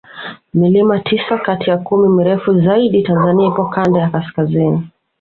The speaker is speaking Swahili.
milima tisa Kati ya kumi mirefu zaidi tanzania ipo Kanda ya kaskazini